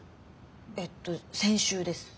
えっと先週です。